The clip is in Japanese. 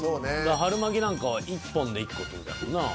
春巻なんかは１本で１個って事やもんな。